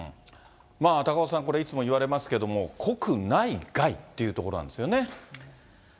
高岡さん、いつもこれ言われますけど、国内外っていうところなんですよね。